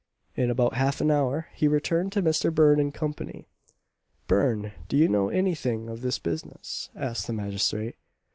In about half an hour he returned with Mister Burn in company. "Burn, do you know anything of this business?" asked the magistrate.